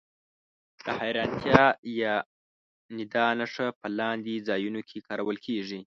د حېرانتیا یا ندا نښه په لاندې ځایونو کې کارول کیږي.